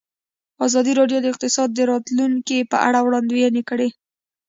ازادي راډیو د اقتصاد د راتلونکې په اړه وړاندوینې کړې.